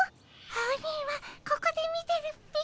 アオニイはここで見てるっピ。